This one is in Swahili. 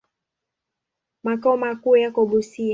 Makao makuu yako Busia.